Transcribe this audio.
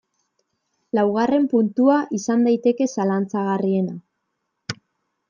Laugarren puntua izan daiteke zalantzagarriena.